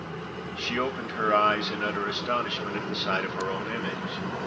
She opened her eyes in utter astonishment at the sight of her own image.